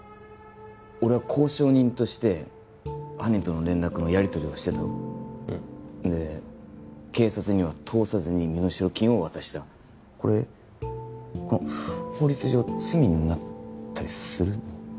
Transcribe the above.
俺は交渉人として犯人との連絡のやりとりをしてたろうんで警察には通さずに身代金を渡したこれ法律上罪になったりするの？